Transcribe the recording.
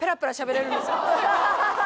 ハハハハ！